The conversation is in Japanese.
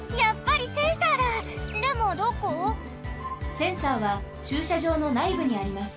センサーはちゅうしゃじょうのないぶにあります。